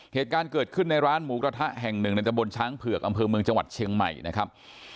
เหตุการณ์เกิดขึ้นในร้านหมูกระทะแห่งหนึ่งในตะบนช้างเผือกอำเภอเมืองจังหวัดเชียงใหม่นะครับ